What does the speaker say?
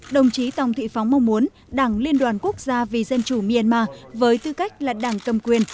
đồng chí tòng thị phóng mong muốn đảng liên đoàn quốc gia vì dân chủ myanmar với tư cách là đảng cầm quyền